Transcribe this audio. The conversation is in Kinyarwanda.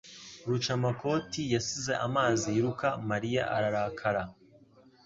Rucamakoti yasize amazi yiruka Mariya ararakara.